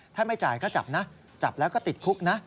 ถ้าไม่จ่ายก็จับนะจับแล้วก็ติดคุกนะ